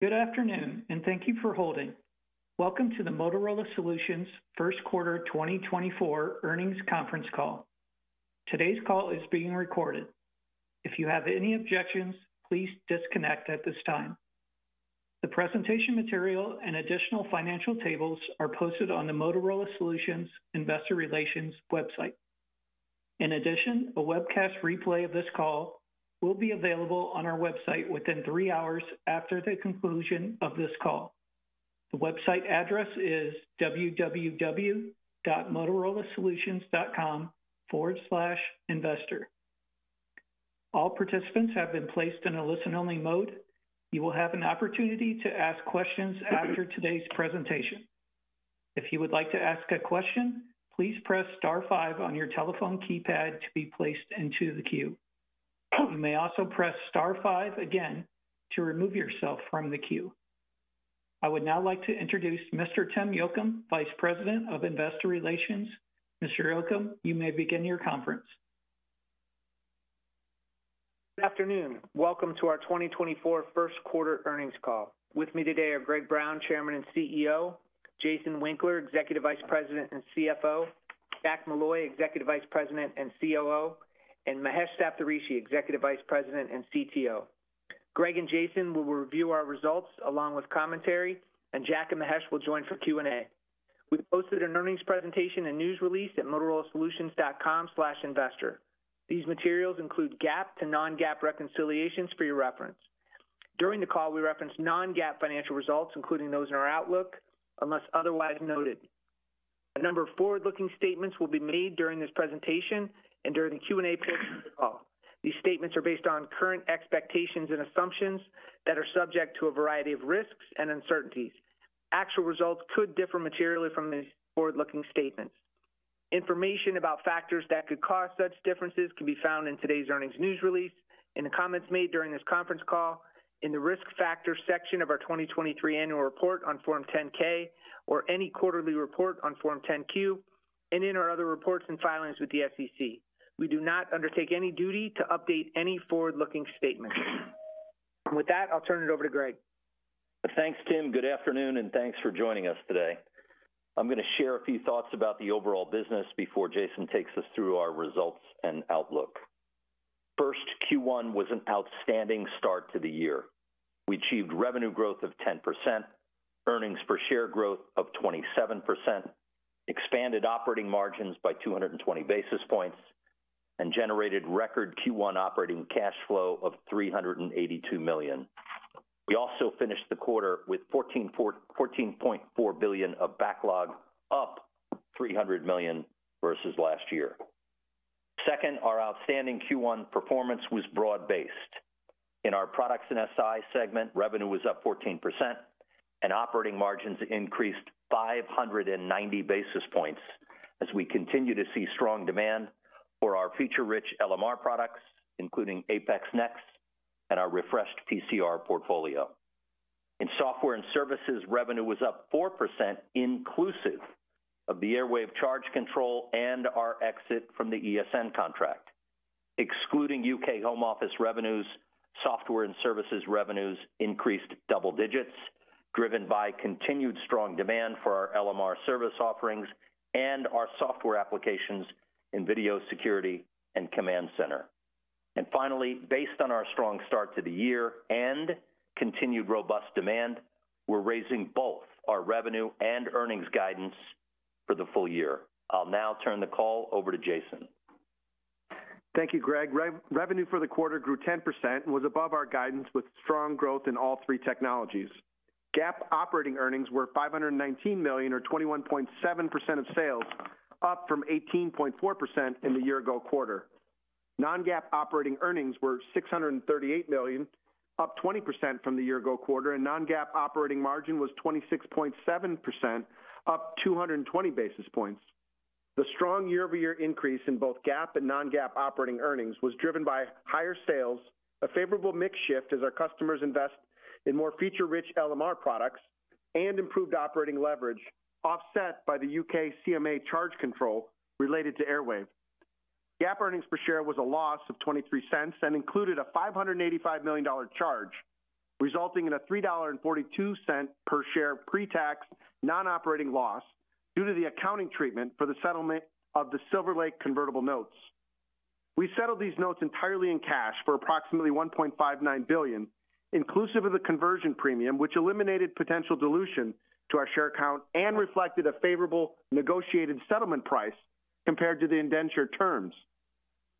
Good afternoon, and thank you for holding. Welcome to the Motorola Solutions First Quarter 2024 earnings conference call. Today's call is being recorded. If you have any objections, please disconnect at this time. The presentation material and additional financial tables are posted on the Motorola Solutions Investor Relations website. In addition, a webcast replay of this call will be available on our website within three hours after the conclusion of this call. The website address is www.motorolasolutions.com/investor. All participants have been placed in a listen-only mode. You will have an opportunity to ask questions after today's presentation. If you would like to ask a question, please press star five on your telephone keypad to be placed into the queue. You may also press star five again to remove yourself from the queue. I would now like to introduce Mr. Tim Yocum, Vice President of Investor Relations. Mr. Yocum, you may begin your conference. Good afternoon. Welcome to our 2024 first quarter earnings call. With me today are Greg Brown, Chairman and CEO, Jason Winkler; Executive Vice President and CFO; Jack Molloy, Executive Vice President and COO; and Mahesh Saptharishi, Executive Vice President and CTO. Greg and Jason will review our results along with commentary, and Jack and Mahesh will join for Q&A. We posted an earnings presentation and news release at motorolasolutions.com/investor. These materials include GAAP to non-GAAP reconciliations for your reference. During the call, we referenced non-GAAP financial results, including those in our outlook, unless otherwise noted. A number of forward-looking statements will be made during this presentation and during the Q&A portion of the call. These statements are based on current expectations and assumptions that are subject to a variety of risks and uncertainties. Actual results could differ materially from these forward-looking statements. Information about factors that could cause such differences can be found in today's earnings news release, in the comments made during this conference call, in the risk factor section of our 2023 annual report on Form 10-K, or any quarterly report on Form 10-Q, and in our other reports and filings with the SEC. We do not undertake any duty to update any forward-looking statements. With that, I'll turn it over to Greg. Thanks, Tim. Good afternoon, and thanks for joining us today. I'm going to share a few thoughts about the overall business before Jason takes us through our results and outlook. First, Q1 was an outstanding start to the year. We achieved revenue growth of 10%, earnings per share growth of 27%, expanded operating margins by 220 basis points, and generated record Q1 operating cash flow of $382 million. We also finished the quarter with $14.4 billion of backlog up $300 million versus last year. Second, our outstanding Q1 performance was broad-based. In our products and SI segment, revenue was up 14%, and operating margins increased 590 basis points as we continue to see strong demand for our feature-rich LMR products, including APX NEXT and our refreshed PCR portfolio. In software and services, revenue was up 4% inclusive of the Airwave charge control and our exit from the ESN contract. Excluding U.K. Home Office revenues, software and services revenues increased double digits, driven by continued strong demand for our LMR service offerings and our software applications in video security and command center. And finally, based on our strong start to the year and continued robust demand, we're raising both our revenue and earnings guidance for the full year. I'll now turn the call over to Jason. Thank you, Greg. Revenue for the quarter grew 10% and was above our guidance with strong growth in all three technologies. GAAP operating earnings were $519 million or 21.7% of sales, up from 18.4% in the year-ago quarter. Non-GAAP operating earnings were $638 million, up 20% from the year-ago quarter, and non-GAAP operating margin was 26.7%, up 220 basis points. The strong year-over-year increase in both GAAP and non-GAAP operating earnings was driven by higher sales, a favorable mix shift as our customers invest in more feature-rich LMR products, and improved operating leverage offset by the U.K. CMA charge control related to Airwave. GAAP earnings per share was a loss of $0.23 and included a $585 million charge, resulting in a $3.42 per share pre-tax non-operating loss due to the accounting treatment for the settlement of the Silver Lake convertible notes. We settled these notes entirely in cash for approximately $1.59 billion, inclusive of the conversion premium, which eliminated potential dilution to our share account and reflected a favorable negotiated settlement price compared to the indenture terms.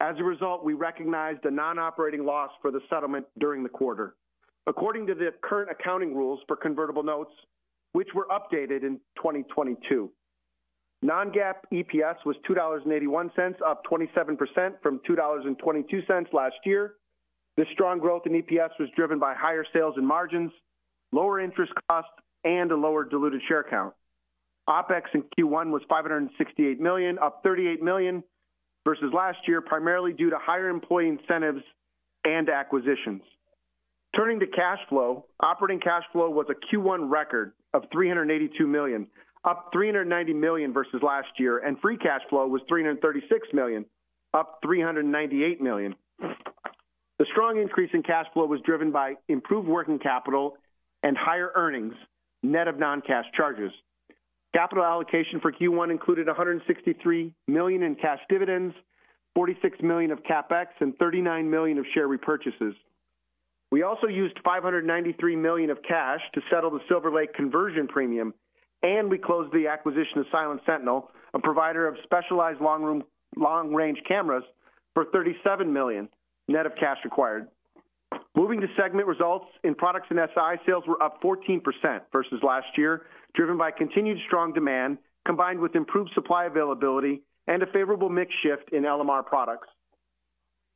As a result, we recognized a non-operating loss for the settlement during the quarter, according to the current accounting rules for convertible notes, which were updated in 2022. Non-GAAP EPS was $2.81, up 27% from $2.22 last year. This strong growth in EPS was driven by higher sales and margins, lower interest costs, and a lower diluted share count. OpEx in Q1 was $568 million, up $38 million versus last year, primarily due to higher employee incentives and acquisitions. Turning to cash flow, operating cash flow was a Q1 record of $382 million, up $390 million versus last year, and free cash flow was $336 million, up $398 million. The strong increase in cash flow was driven by improved working capital and higher earnings net of non-cash charges. Capital allocation for Q1 included $163 million in cash dividends, $46 million of CapEx, and $39 million of share repurchases. We also used $593 million of cash to settle the Silver Lake conversion premium, and we closed the acquisition of Silent Sentinel, a provider of specialized long-range cameras, for $37 million net of cash required. Moving to segment results, in products and SI, sales were up 14% versus last year, driven by continued strong demand combined with improved supply availability and a favorable mix shift in LMR products.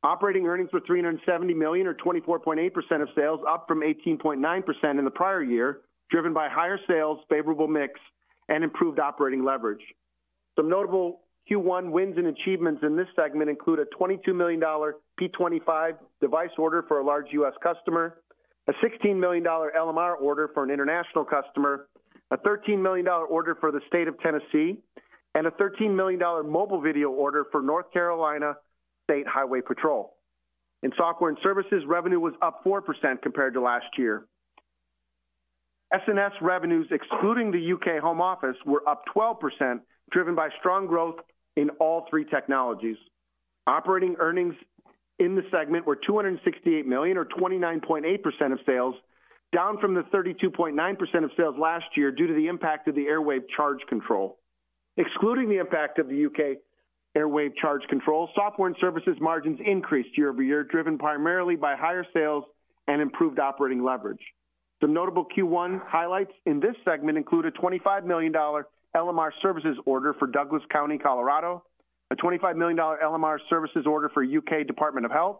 Operating earnings were $370 million or 24.8% of sales, up from 18.9% in the prior year, driven by higher sales, favorable mix, and improved operating leverage. Some notable Q1 wins and achievements in this segment include a $22 million P25 device order for a large U.S. customer, a $16 million LMR order for an international customer, a $13 million order for the state of Tennessee, and a $13 million mobile video order for North Carolina State Highway Patrol. In software and services, revenue was up 4% compared to last year. S&S revenues, excluding the U.K. Home Office, were up 12%, driven by strong growth in all three technologies. Operating earnings in the segment were $268 million or 29.8% of sales, down from the 32.9% of sales last year due to the impact of the Airwave charge control. Excluding the impact of the U.K. Airwave charge control, software and services margins increased year-over-year, driven primarily by higher sales and improved operating leverage. Some notable Q1 highlights in this segment include a $25 million LMR services order for Douglas County, Colorado, a $25 million LMR services order for U.K. Department of Health,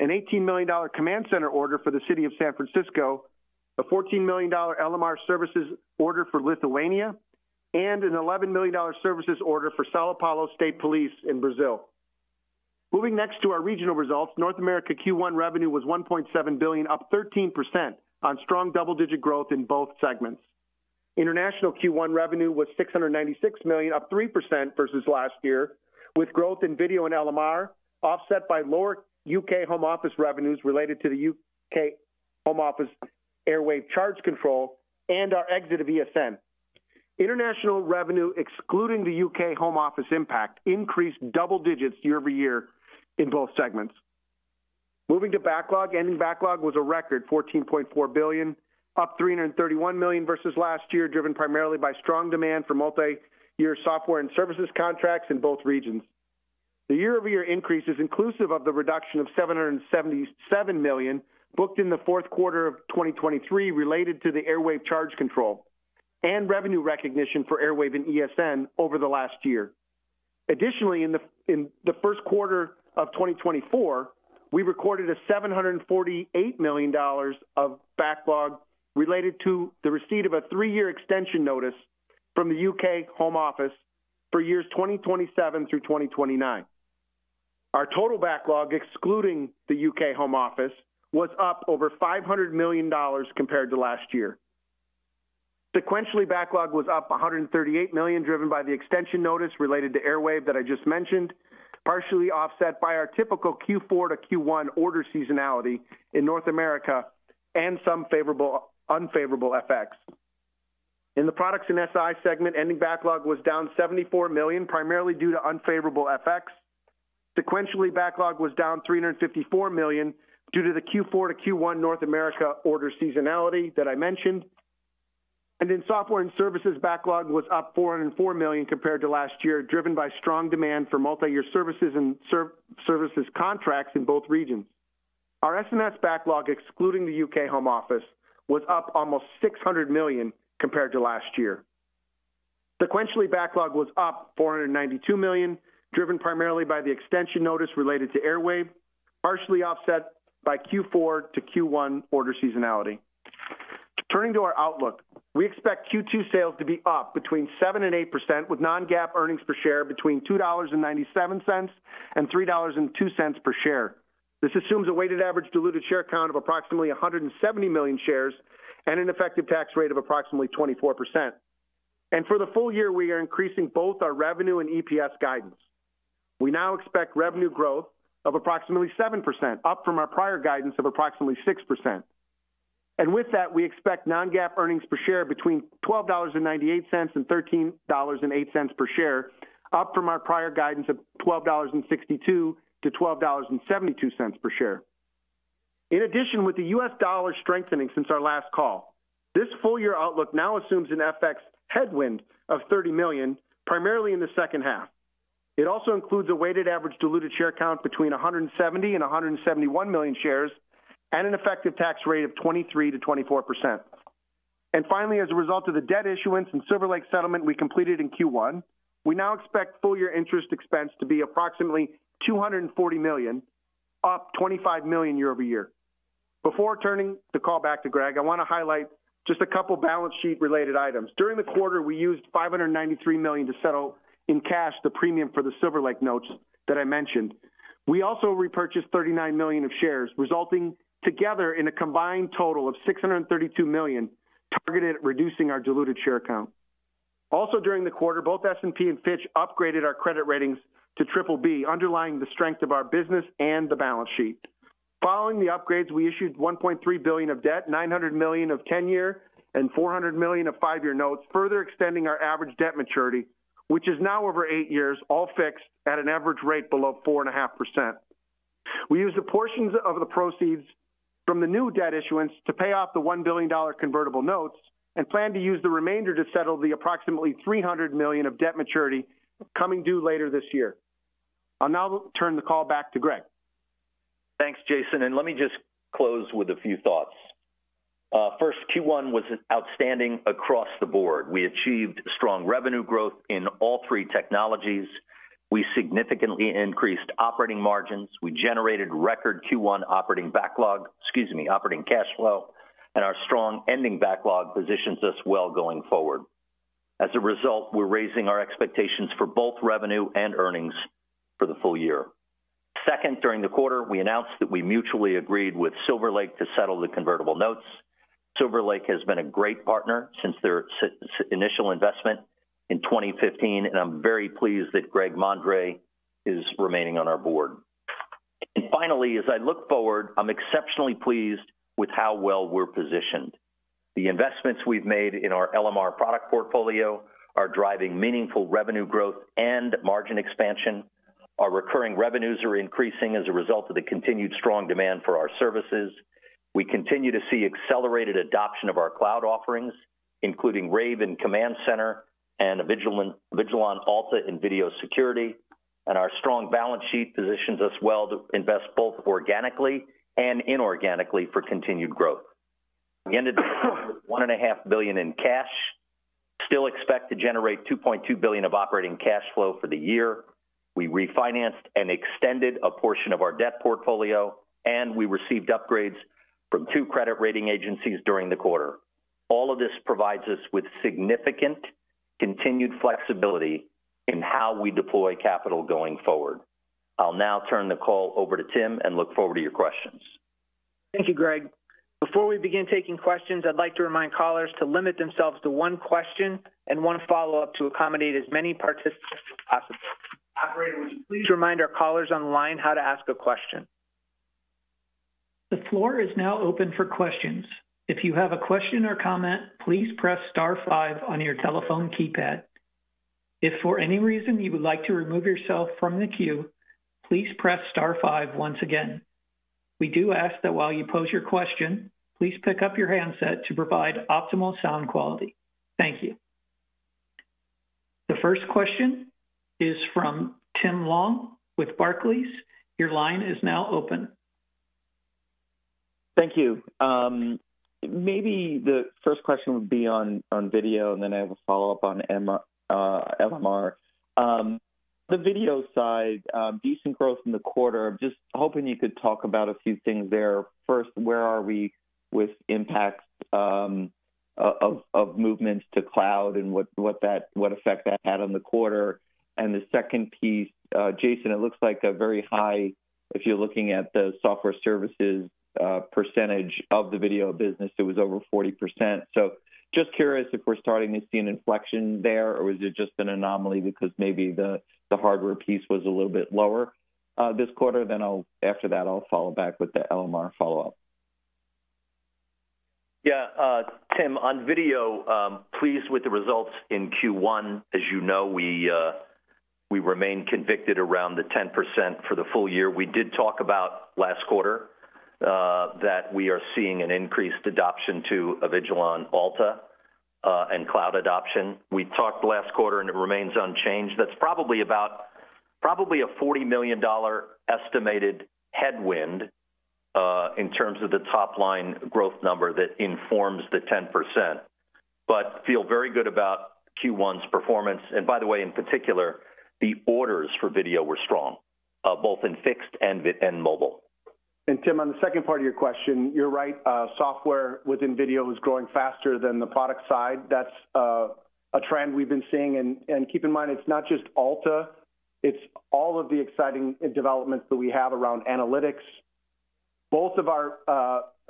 an $18 million command center order for the city of San Francisco, a $14 million LMR services order for Lithuania, and an $11 million services order for São Paulo State Police in Brazil. Moving next to our regional results, North America Q1 revenue was $1.7 billion, up 13% on strong double-digit growth in both segments. International Q1 revenue was $696 million, up 3% versus last year, with growth in video and LMR offset by lower U.K. Home Office revenues related to the U.K. Home Office Airwave charge control and our exit of ESN. International revenue, excluding the U.K. Home Office impact, increased double digits year-over-year in both segments. Moving to backlog, ending backlog was a record, $14.4 billion, up $331 million versus last year, driven primarily by strong demand for multi-year software and services contracts in both regions. The year-over-year increase is inclusive of the reduction of $777 million booked in the 4th quarter of 2023 related to the Airwave charge control and revenue recognition for Airwave and ESN over the last year. Additionally, in the 1st quarter of 2024, we recorded a $748 million of backlog related to the receipt of a 3-year extension notice from the U.K. Home Office for years 2027 through 2029. Our total backlog, excluding the U.K. Home Office, was up over $500 million compared to last year. Sequentially, backlog was up $138 million, driven by the extension notice related to Airwave that I just mentioned, partially offset by our typical Q4 to Q1 order seasonality in North America and some favorable unfavorable FX. In the products and SI segment, ending backlog was down $74 million, primarily due to unfavorable FX. Sequentially, backlog was down $354 million due to the Q4 to Q1 North America order seasonality that I mentioned. In software and services, backlog was up $404 million compared to last year, driven by strong demand for multi-year services and services contracts in both regions. Our S&S backlog, excluding the U.K. Home Office, was up almost $600 million compared to last year. Sequentially, backlog was up $492 million, driven primarily by the extension notice related to Airwave, partially offset by Q4 to Q1 order seasonality. Turning to our outlook, we expect Q2 sales to be up between 7% and 8% with non-GAAP earnings per share between $2.97 and $3.02 per share. This assumes a weighted average diluted share count of approximately 170 million shares and an effective tax rate of approximately 24%. For the full year, we are increasing both our revenue and EPS guidance. We now expect revenue growth of approximately 7%, up from our prior guidance of approximately 6%. With that, we expect non-GAAP earnings per share between $12.98 and $13.08 per share, up from our prior guidance of $12.62-$12.72 per share. In addition, with the U.S. dollar strengthening since our last call, this full-year outlook now assumes an FX headwind of $30 million, primarily in the second half. It also includes a weighted average diluted share count between 170-171 million shares and an effective tax rate of 23%-24%. Finally, as a result of the debt issuance and Silver Lake settlement we completed in Q1, we now expect full-year interest expense to be approximately $240 million, up $25 million year-over-year. Before turning the call back to Greg, I want to highlight just a couple balance sheet related items. During the quarter, we used $593 million to settle in cash the premium for the Silver Lake notes that I mentioned. We also repurchased 39 million shares, resulting together in a combined total of $632 million, targeted at reducing our diluted share count. Also during the quarter, both S&P and Fitch upgraded our credit ratings to BBB, underlying the strength of our business and the balance sheet. Following the upgrades, we issued $1.3 billion of debt, $900 million of 10-year, and $400 million of five year notes, further extending our average debt maturity, which is now over eight years, all fixed at an average rate below 4.5%. We used the portions of the proceeds from the new debt issuance to pay off the $1 billion convertible notes and plan to use the remainder to settle the approximately $300 million of debt maturity coming due later this year. I'll now turn the call back to Greg. Thanks, Jason. Let me just close with a few thoughts. First, Q1 was outstanding across the board. We achieved strong revenue growth in all three technologies. We significantly increased operating margins. We generated record Q1 operating backlog, excuse me, operating cash flow, and our strong ending backlog positions us well going forward. As a result, we're raising our expectations for both revenue and earnings for the full year. Second, during the quarter, we announced that we mutually agreed with Silver Lake to settle the convertible notes. Silver Lake has been a great partner since their initial investment in 2015, and I'm very pleased that Greg Mondre is remaining on our board. And finally, as I look forward, I'm exceptionally pleased with how well we're positioned. The investments we've made in our LMR product portfolio are driving meaningful revenue growth and margin expansion. Our recurring revenues are increasing as a result of the continued strong demand for our services. We continue to see accelerated adoption of our cloud offerings, including Rave and Command Center and Avigilon Alta and video security, and our strong balance sheet positions us well to invest both organically and inorganically for continued growth. We ended the quarter with $1.5 billion in cash. Still expect to generate $2.2 billion of operating cash flow for the year. We refinanced and extended a portion of our debt portfolio, and we received upgrades from two credit rating agencies during the quarter. All of this provides us with significant continued flexibility in how we deploy capital going forward. I'll now turn the call over to Tim and look forward to your questions. Thank you, Greg. Before we begin taking questions, I'd like to remind callers to limit themselves to one question and one follow-up to accommodate as many participants as possible. Operator, would you please remind our callers on the line how to ask a question? The floor is now open for questions. If you have a question or comment, please press star five on your telephone keypad. If for any reason you would like to remove yourself from the queue, please press star five once again. We do ask that while you pose your question, please pick up your handset to provide optimal sound quality. Thank you. The first question is from Tim Long with Barclays. Your line is now open. Thank you. Maybe the first question would be on video, and then I have a follow-up on LMR. The video side, decent growth in the quarter. I'm just hoping you could talk about a few things there. First, where are we with impacts of movements to cloud and what effect that had on the quarter? And the second piece, Jason, it looks like a very high, if you're looking at the software services percentage of the video business, it was over 40%. So just curious if we're starting to see an inflection there, or is it just an anomaly because maybe the hardware piece was a little bit lower this quarter? Then after that, I'll follow up with the LMR follow-up. Yeah, Tim, on video, please, with the results in Q1. As you know, we remain convicted around the 10% for the full year. We did talk about last quarter that we are seeing an increased adoption to Avigilon Alta and cloud adoption. We talked last quarter, and it remains unchanged. That's probably about a $40 million estimated headwind in terms of the top-line growth number that informs the 10%. But feel very good about Q1's performance. And by the way, in particular, the orders for video were strong, both in fixed and mobile. Tim, on the second part of your question, you're right. Software within video is growing faster than the product side. That's a trend we've been seeing. Keep in mind, it's not just Alta. It's all of the exciting developments that we have around analytics. Both of our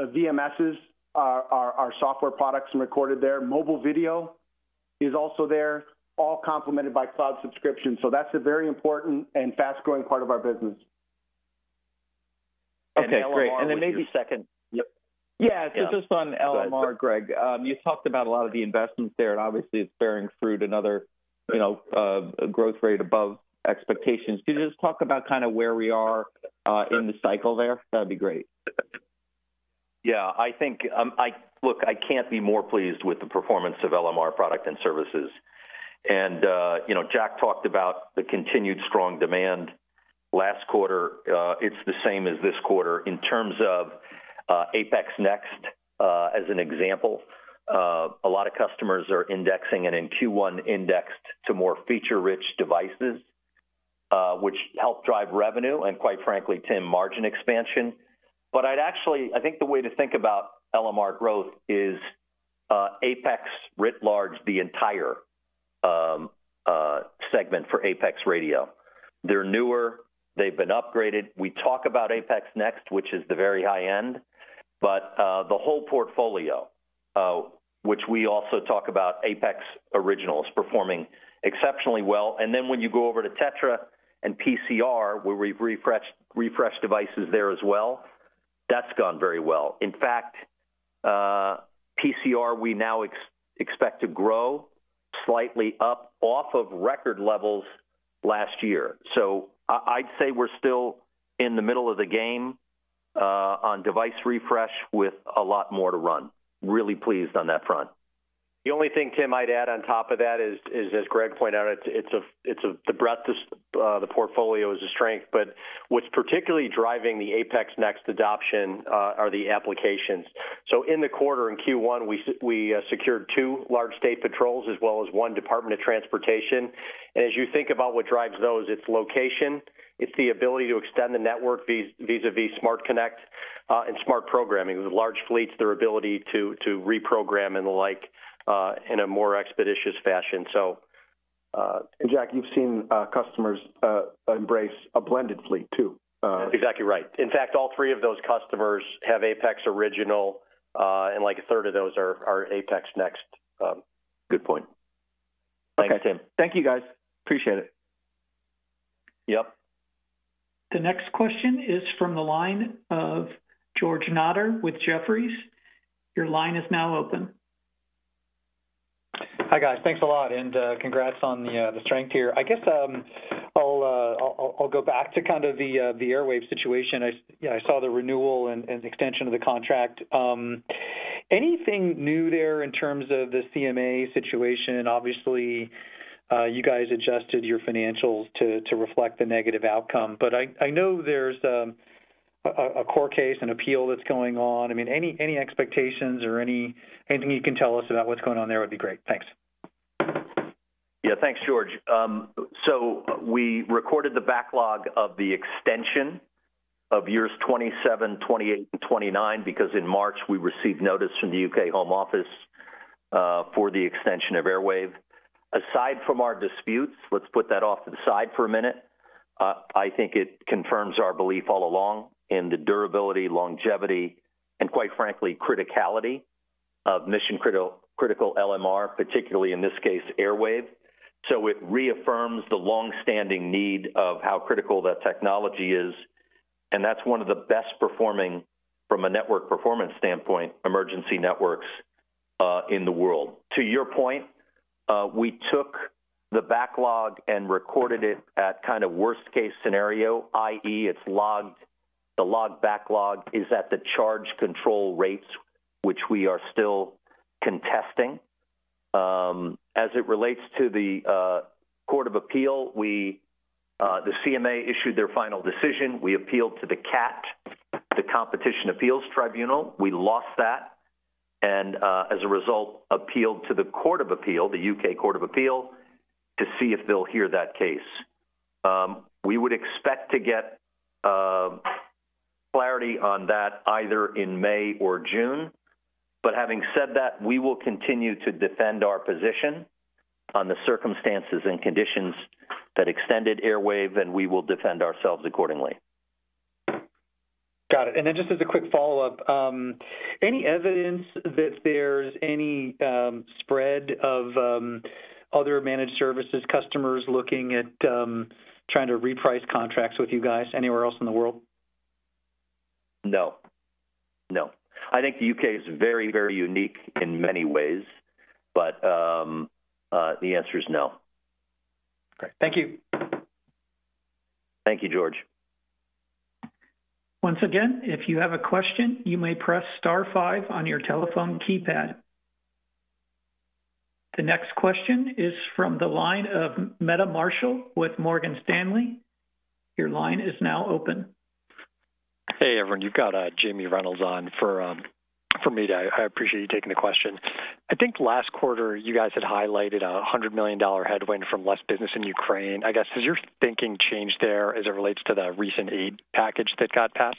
VMSs are software products and recorded there. Mobile video is also there, all complemented by cloud subscriptions. That's a very important and fast-growing part of our business. Okay, great. And then maybe second. Yeah, so just on LMR, Greg, you talked about a lot of the investments there, and obviously it's bearing fruit another growth rate above expectations. Could you just talk about kind of where we are in the cycle there? That'd be great. Yeah, I think look, I can't be more pleased with the performance of LMR product and services. And Jack talked about the continued strong demand last quarter. It's the same as this quarter. In terms of APX NEXT as an example, a lot of customers are indexing and in Q1 indexed to more feature-rich devices, which help drive revenue and, quite frankly, Tim, margin expansion. But I'd actually I think the way to think about LMR growth is APX writ large the entire segment for APX radio. They're newer. They've been upgraded. We talk about APX NEXT, which is the very high end, but the whole portfolio, which we also talk about APX Original performing exceptionally well. And then when you go over to TETRA and PCR, where we've refreshed devices there as well, that's gone very well. In fact, PCR we now expect to grow slightly up off of record levels last year. So I'd say we're still in the middle of the game on device refresh with a lot more to run. Really pleased on that front. The only thing, Tim, I'd add on top of that is, as Greg pointed out, it's the breadth of the portfolio is a strength, but what's particularly driving the APX NEXT adoption are the applications. So in the quarter in Q1, we secured two large state patrols as well as one Department of Transportation. And as you think about what drives those, it's location. It's the ability to extend the network vis-à-vis SmartConnect and SmartProgramming. With large fleets, their ability to reprogram and the like in a more expeditious fashion. So. Jack, you've seen customers embrace a blended fleet too. Exactly right. In fact, all three of those customers have APX Original, and like a third of those are APX NEXT. Good point. Thanks, Tim. Thank you, guys. Appreciate it. Yep. The next question is from the line of George Notter with Jefferies. Your line is now open. Hi guys, thanks a lot, and congrats on the strength here. I guess I'll go back to kind of the Airwave situation. I saw the renewal and extension of the contract. Anything new there in terms of the CMA situation? Obviously, you guys adjusted your financials to reflect the negative outcome, but I know there's a court case, an appeal that's going on. I mean, any expectations or anything you can tell us about what's going on there would be great. Thanks. Yeah, thanks, George. So we recorded the backlog of the extension of years 27, 28, and 29 because in March we received notice from the U.K. Home Office for the extension of Airwave. Aside from our disputes, let's put that off to the side for a minute. I think it confirms our belief all along in the durability, longevity, and quite frankly, criticality of mission-critical LMR, particularly in this case, Airwave. So it reaffirms the longstanding need of how critical that technology is. And that's one of the best performing from a network performance standpoint, emergency networks in the world. To your point, we took the backlog and recorded it at kind of worst-case scenario, i.e., it's logged. The log backlog is at the charge control rates, which we are still contesting. As it relates to the Court of Appeal, the CMA issued their final decision. We appealed to the CAT, the Competition Appeal Tribunal. We lost that. And as a result, appealed to the Court of Appeal, the U.K. Court of Appeal, to see if they'll hear that case. We would expect to get clarity on that either in May or June. But having said that, we will continue to defend our position on the circumstances and conditions that extended Airwave, and we will defend ourselves accordingly. Got it. And then just as a quick follow-up, any evidence that there's any spread of other managed services customers looking at trying to reprice contracts with you guys anywhere else in the world? No. No. I think the U.K. is very, very unique in many ways, but the answer is no. Great. Thank you. Thank you, George. Once again, if you have a question, you may press star five on your telephone keypad. The next question is from the line of Meta Marshall with Morgan Stanley. Your line is now open. Hey, everyone. You've got Jamie Reynolds on for me. I appreciate you taking the question. I think last quarter, you guys had highlighted a $100 million headwind from less business in Ukraine. I guess, has your thinking changed there as it relates to the recent aid package that got passed?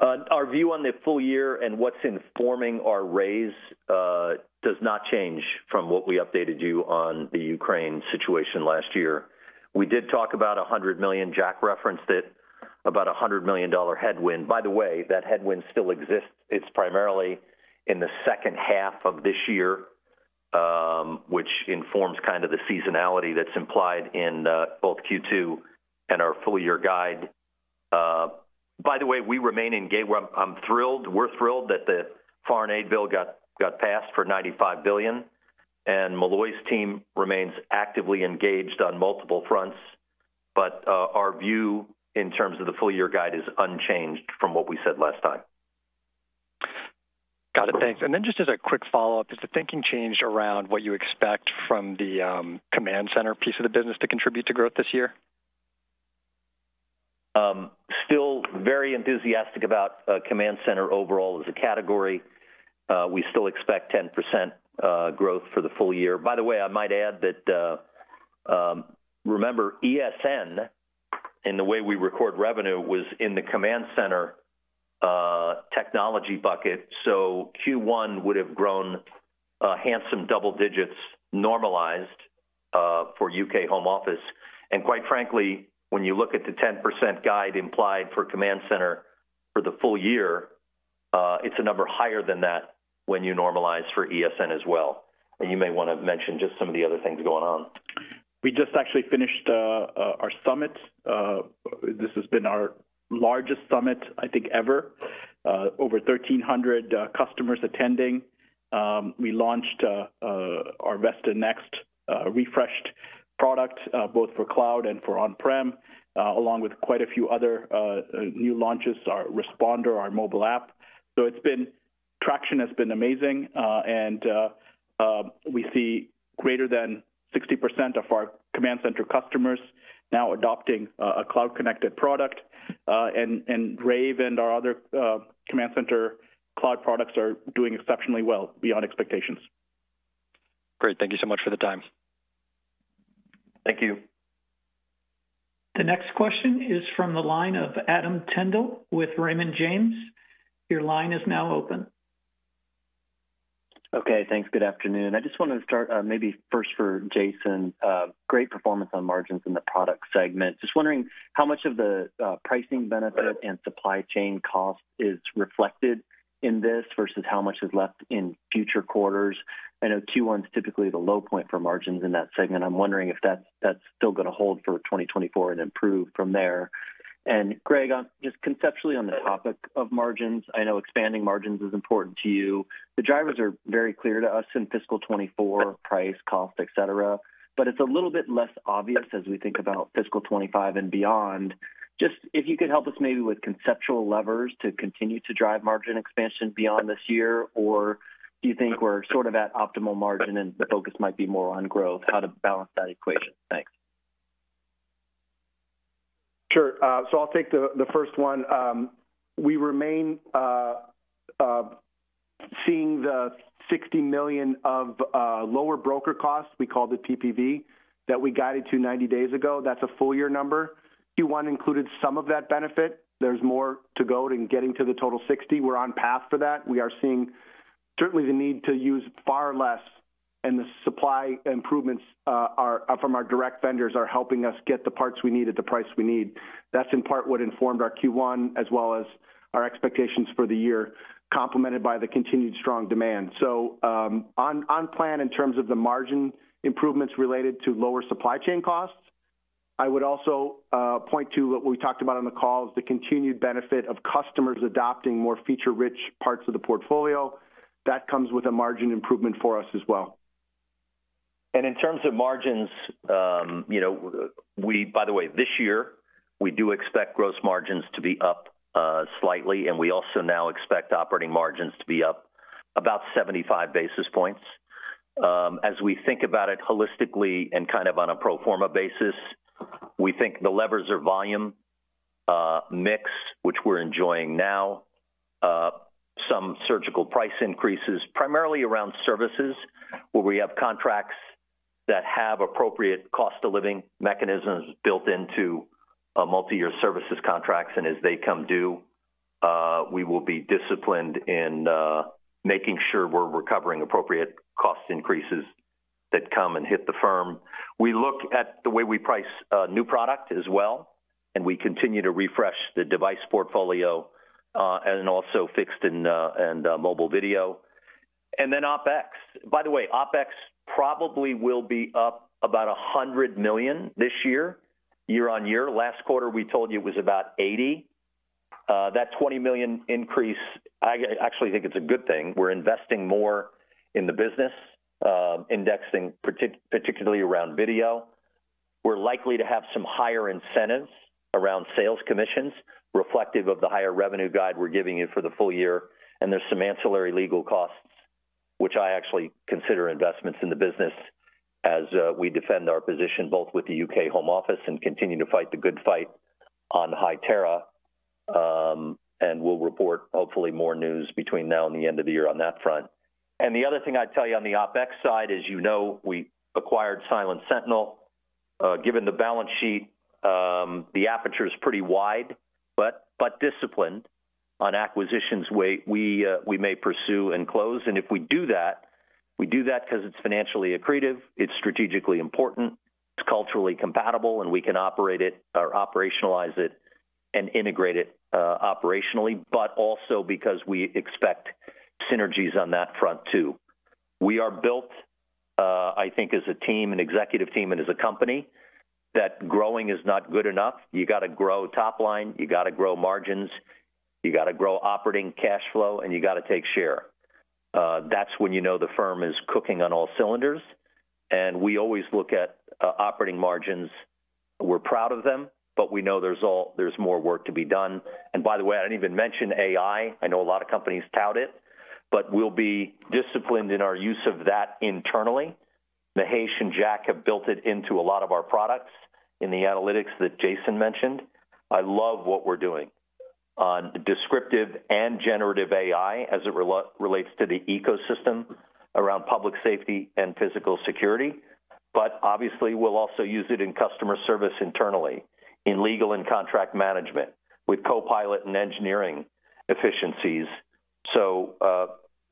Our view on the full year and what's informing our raise does not change from what we updated you on the Ukraine situation last year. We did talk about a $100 million, Jack referenced it, about a $100 million headwind. By the way, that headwind still exists. It's primarily in the second half of this year, which informs kind of the seasonality that's implied in both Q2 and our full-year guide. By the way, we remain engaged. I'm thrilled. We're thrilled that the foreign aid bill got passed for $95 billion. And Molloy's team remains actively engaged on multiple fronts. But our view in terms of the full-year guide is unchanged from what we said last time. Got it. Thanks. And then just as a quick follow-up, has the thinking changed around what you expect from the Command Center piece of the business to contribute to growth this year? Still very enthusiastic about Command Center overall as a category. We still expect 10% growth for the full year. By the way, I might add that remember, ESN, in the way we record revenue, was in the Command Center technology bucket. So Q1 would have grown handsomely double digits normalized for U.K. Home Office. And quite frankly, when you look at the 10% guide implied for Command Center for the full year, it's a number higher than that when you normalize for ESN as well. And you may want to mention just some of the other things going on. We just actually finished our summit. This has been our largest summit, I think, ever. Over 1,300 customers attending. We launched our VESTA NXT refreshed product both for cloud and for on-prem, along with quite a few other new launches, our responder, our mobile app. So it's been traction has been amazing. And we see greater than 60% of our Command Center customers now adopting a cloud-connected product. And Rave and our other Command Center cloud products are doing exceptionally well beyond expectations. Great. Thank you so much for the time. Thank you. The next question is from the line of Adam Tindle with Raymond James. Your line is now open. Okay, thanks. Good afternoon. I just want to start maybe first for Jason. Great performance on margins in the product segment. Just wondering how much of the pricing benefit and supply chain cost is reflected in this versus how much is left in future quarters. I know Q1 is typically the low point for margins in that segment. I'm wondering if that's still going to hold for 2024 and improve from there. And Greg, just conceptually on the topic of margins, I know expanding margins is important to you. The drivers are very clear to us in fiscal 2024, price, cost, etc. But it's a little bit less obvious as we think about fiscal 2025 and beyond. Just if you could help us maybe with conceptual levers to continue to drive margin expansion beyond this year, or do you think we're sort of at optimal margin and the focus might be more on growth? How to balance that equation? Thanks. Sure. So I'll take the first one. We remain seeing the $60 million of lower broker costs. We call it PPV that we guided to 90 days ago. That's a full-year number. Q1 included some of that benefit. There's more to go in getting to the total $60 million. We're on path for that. We are seeing certainly the need to use far less. And the supply improvements from our direct vendors are helping us get the parts we need at the price we need. That's in part what informed our Q1 as well as our expectations for the year, complemented by the continued strong demand. So on plan in terms of the margin improvements related to lower supply chain costs, I would also point to what we talked about on the call is the continued benefit of customers adopting more feature-rich parts of the portfolio. That comes with a margin improvement for us as well. And in terms of margins, you know we, by the way, this year, we do expect gross margins to be up slightly, and we also now expect operating margins to be up about 75 basis points. As we think about it holistically and kind of on a pro forma basis, we think the levers are volume mix, which we're enjoying now. Some surgical price increases, primarily around services where we have contracts that have appropriate cost of living mechanisms built into multi-year services contracts. And as they come due, we will be disciplined in making sure we're recovering appropriate cost increases that come and hit the firm. We look at the way we price new product as well. And we continue to refresh the device portfolio and also fixed and mobile video. And then OpEx. By the way, OpEx probably will be up about $100 million this year, year-over-year. Last quarter, we told you it was about $80 million. That $20 million increase, I actually think it's a good thing. We're investing more in the business, indexing particularly around video. We're likely to have some higher incentives around sales commissions reflective of the higher revenue guide we're giving you for the full year. And there's some ancillary legal costs, which I actually consider investments in the business as we defend our position both with the U.K. Home Office and continue to fight the good fight on Hytera. And we'll report hopefully more news between now and the end of the year on that front. And the other thing I'd tell you on the OpEx side is, you know, we acquired Silent Sentinel. Given the balance sheet, the aperture is pretty wide, but disciplined on acquisitions we may pursue and close. If we do that, we do that because it's financially accretive, it's strategically important, it's culturally compatible, and we can operate it or operationalize it and integrate it operationally, but also because we expect synergies on that front too. We are built, I think, as a team, an executive team, and as a company that growing is not good enough. You got to grow top line, you got to grow margins, you got to grow operating cash flow, and you got to take share. That's when you know the firm is cooking on all cylinders. We always look at operating margins. We're proud of them, but we know there's more work to be done. By the way, I didn't even mention AI. I know a lot of companies tout it, but we'll be disciplined in our use of that internally. Mahesh and Jack have built it into a lot of our products in the analytics that Jason mentioned. I love what we're doing on descriptive and generative AI as it relates to the ecosystem around public safety and physical security. But obviously, we'll also use it in customer service internally, in legal and contract management with Copilot and engineering efficiencies. So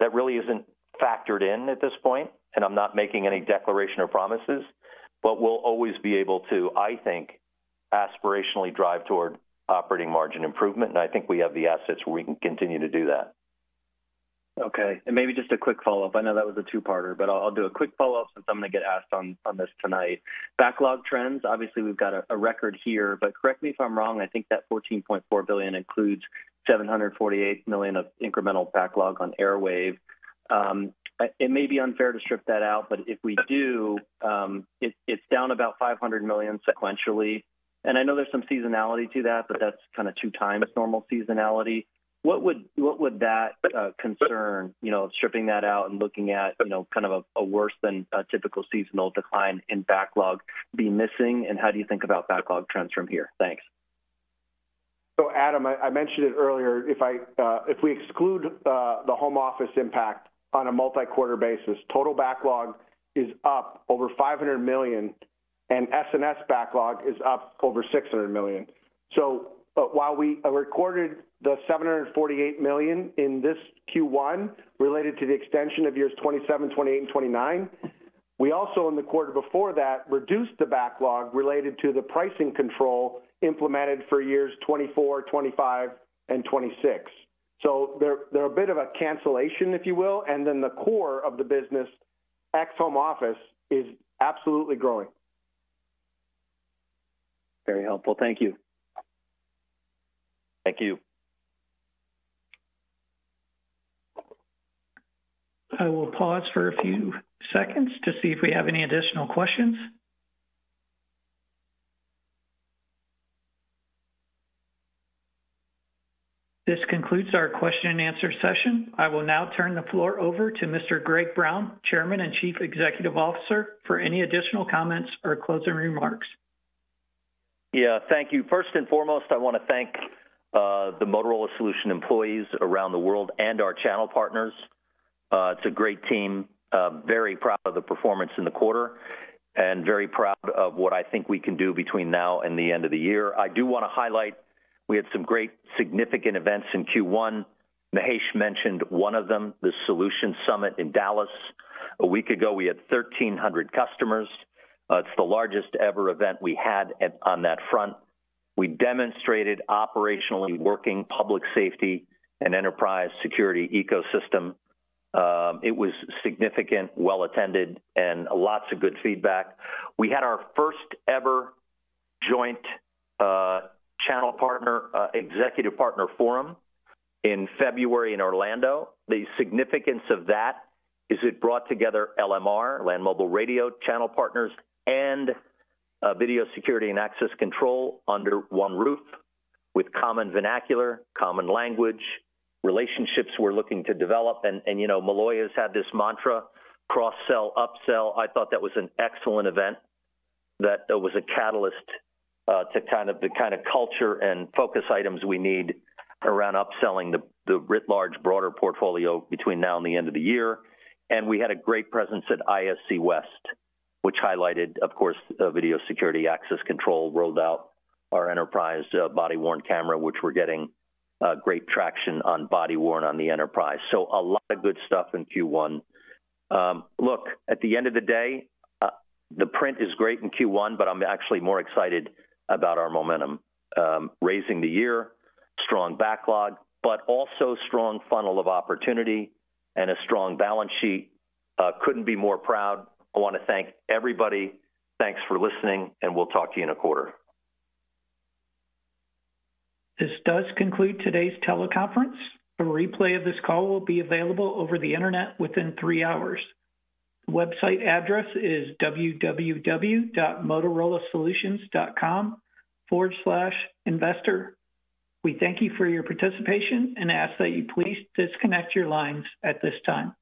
that really isn't factored in at this point, and I'm not making any declaration or promises. But we'll always be able to, I think, aspirationally drive toward operating margin improvement. And I think we have the assets where we can continue to do that. Okay. And maybe just a quick follow-up. I know that was a two-parter, but I'll do a quick follow-up since I'm going to get asked on this tonight. Backlog trends, obviously, we've got a record here, but correct me if I'm wrong. I think that $14.4 billion includes $748 million of incremental backlog on Airwave. It may be unfair to strip that out, but if we do, it's down about $500 million sequentially. And I know there's some seasonality to that, but that's kind of two times normal seasonality. What would that concern, stripping that out and looking at kind of a worse than a typical seasonal decline in backlog, be missing? And how do you think about backlog trends from here? Thanks. So Adam, I mentioned it earlier. If we exclude the home office impact on a multi-quarter basis, total backlog is up over $500 million, and S&S backlog is up over $600 million. So while we recorded the $748 million in this Q1 related to the extension of years 2027, 2028, and 2029, we also in the quarter before that reduced the backlog related to the pricing control implemented for years 2024, 2025, and 2026. So they're a bit of a cancellation, if you will. And then the core of the business, ex-home office, is absolutely growing. Very helpful. Thank you. Thank you. I will pause for a few seconds to see if we have any additional questions. This concludes our question and answer session. I will now turn the floor over to Mr. Greg Brown, Chairman and Chief Executive Officer, for any additional comments or closing remarks. Yeah, thank you. First and foremost, I want to thank the Motorola Solutions employees around the world and our channel partners. It's a great team. Very proud of the performance in the quarter and very proud of what I think we can do between now and the end of the year. I do want to highlight we had some great significant events in Q1. Mahesh mentioned one of them, the Solutions Summit in Dallas. A week ago, we had 1,300 customers. It's the largest ever event we had on that front. We demonstrated operationally working public safety and enterprise security ecosystem. It was significant, well-attended, and lots of good feedback. We had our first ever joint channel partner, executive partner forum in February in Orlando. The significance of that is it brought together LMR, Land Mobile Radio channel partners, and video security and access control under one roof with common vernacular, common language. Relationships we're looking to develop. You know Molloy has had this mantra, cross-sell, upsell. I thought that was an excellent event. That was a catalyst to kind of the culture and focus items we need around upselling the writ large, broader portfolio between now and the end of the year. We had a great presence at ISC West, which highlighted, of course, video security, access control, rolled out our enterprise body-worn camera, which we're getting great traction on body-worn on the enterprise. So a lot of good stuff in Q1. Look, at the end of the day, the print is great in Q1, but I'm actually more excited about our momentum. Wrapping the year, strong backlog, but also strong funnel of opportunity and a strong balance sheet. Couldn't be more proud. I want to thank everybody. Thanks for listening, and we'll talk to you in a quarter. This does conclude today's teleconference. A replay of this call will be available over the internet within three hours. The website address is www.motorolasolutions.com/investor. We thank you for your participation and ask that you please disconnect your lines at this time.